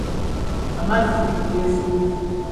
Amazzi geeseze?